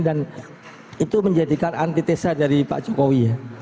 dan itu menjadikan antitesa dari pak jokowi ya